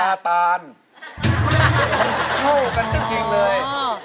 เขาเท่ากันจริงเลย